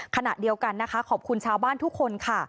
ขณะเดียวกันนะคะขอบคุณชาวบ้านทุกคนค่ะ